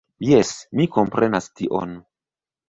Jes, mi komprenas tion.